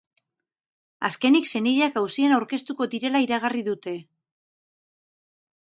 Azkenik, senideak auzian aurkeztuko direla iragarri dute.